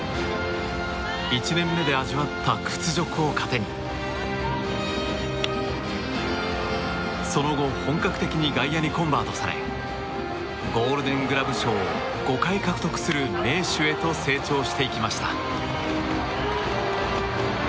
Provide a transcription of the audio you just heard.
１年目で味わった屈辱を糧にその後本格的に外野にコンバートされゴールデングラブ賞５回獲得する名手へと成長していきました。